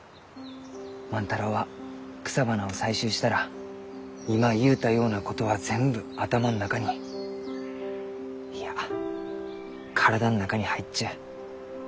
万太郎は草花を採集したら今言うたようなことは全部頭の中にいや体の中に入っちゅう。